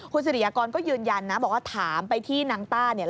คุณสิริยากรก็ยืนยันนะบอกว่าถามไปที่นางต้าเนี่ย